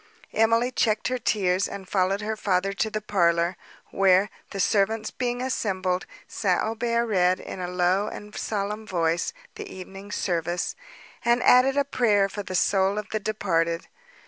Emily checked her tears, and followed her father to the parlour, where, the servants being assembled, St. Aubert read, in a low and solemn voice, the evening service, and added a prayer for the soul of the departed.